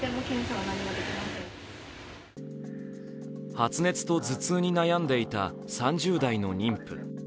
発熱と頭痛に悩んでいた３０代の妊婦。